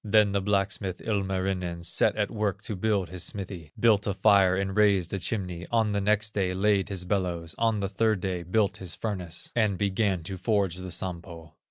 There the blacksmith, Ilmarinen, Set at work to build his smithy, Built a fire and raised a chimney; On the next day laid his bellows, On the third day built his furnace, And began to forge the Sampo.